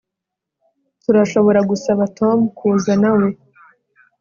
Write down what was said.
Turashobora gusaba Tom kuza nawe